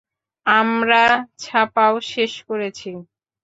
আমরা ছাপাও শেষ করেছি।